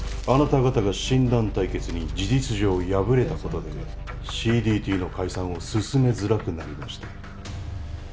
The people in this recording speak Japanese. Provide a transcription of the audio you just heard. あなた方が診断対決に事実上敗れたことでＣＤＴの解散を進めづらくなりましたよ。